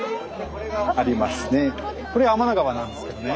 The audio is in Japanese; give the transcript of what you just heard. これ天の川なんですけどね